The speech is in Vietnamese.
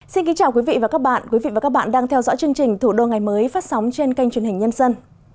xin kính chào quý vị và các bạn quý vị và các bạn đang theo dõi chương trình thủ đô ngày mới phát sóng trên kênh truyền hình nhân dân